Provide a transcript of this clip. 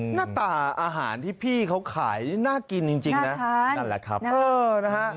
หน้าตาอาหารที่พี่เขาขายน่ากินจริงนะนั่นแหละครับเออนะฮะ